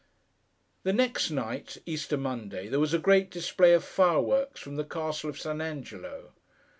The next night—Easter Monday—there was a great display of fireworks from the Castle of St. Angelo.